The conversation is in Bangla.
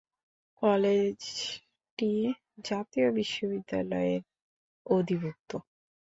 কলেজটি জাতীয় বিশ্ববিদ্যালয়ের অধিভুক্ত।